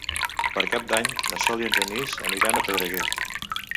Per Cap d'Any na Sol i en Genís aniran a Pedreguer.